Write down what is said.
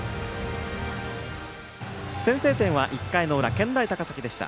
先制点は１回の裏健大高崎でした。